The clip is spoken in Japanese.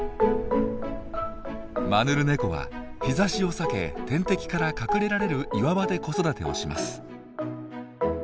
マヌルネコは日ざしを避け天敵から隠れられる岩場で子育てをします。